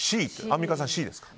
アンミカさん、Ｃですか。